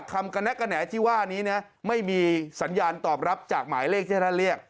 กระแนะกระแหน่ที่ว่านี้นะไม่มีสัญญาณตอบรับจากหมายเลขที่ท่านเรียก